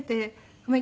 「ごめん。